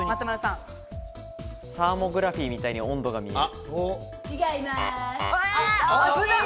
サーモグラフィーみたいに温度が見える。